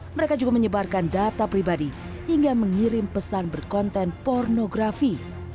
mereka juga menyebarkan data pribadi hingga mengirim pesan berkonten pornografi